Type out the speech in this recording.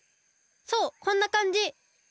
そうこんなかんじ！